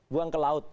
buang ke laut